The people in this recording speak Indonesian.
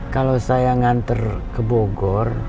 kalau saya nganter ke bogor